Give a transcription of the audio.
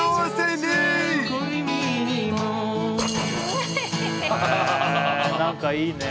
へぇなんかいいね。